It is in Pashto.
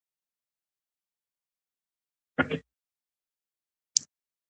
تاسو باید خپلو لوڼو ته ښوونځي ته د تګ اجازه ورکړئ.